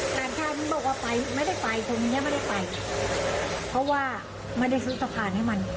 หมายถามนี่ไม่ได้ไปเพราะว่ามันมาได้ซุดพลาดให้มัน